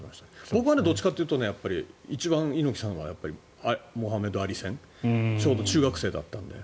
僕はどっちかというと一番、猪木さんがモハメド・アリ戦ちょうど中学生だったので。